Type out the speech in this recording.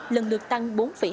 lần lượt tăng